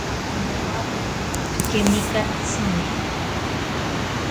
Nowaperotakemi katsini.